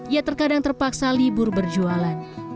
ia terkadang terpaksa libur berjualan